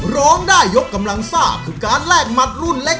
ร้องได้ยกกำลังซ่าคือการแลกหมัดรุ่นเล็ก